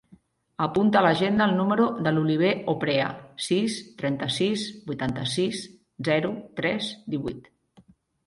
Apunta a l'agenda el número de l'Oliver Oprea: sis, trenta-sis, vuitanta-sis, zero, tres, divuit.